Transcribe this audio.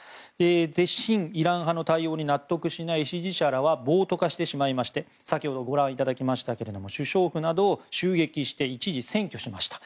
親イラン派の対応に納得しない支持者らは暴徒化してしまって先ほどご覧いただきましたが首相府などを襲撃して一時占拠しました。